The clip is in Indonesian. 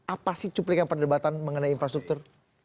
apa sih cuplikan perdebatan mengenai infrastruktur